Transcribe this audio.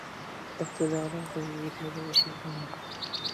Iqtidoring yetmagan ishni qilma